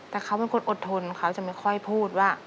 แต่เขาเป็นคนอดทนเขาจะไม่ค่อยพูดว่า